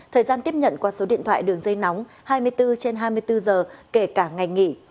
thời gian tiếp nhận qua số điện thoại đường dây nóng hai mươi bốn trên hai mươi bốn giờ kể cả ngày nghỉ